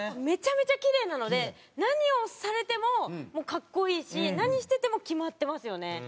めちゃめちゃキレイなので何をされても格好いいし何してても決まってますよね。